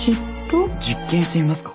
実験してみますか？